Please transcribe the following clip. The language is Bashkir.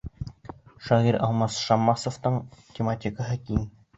Шағир Алмас Шаммасовтың тематикаһы киң.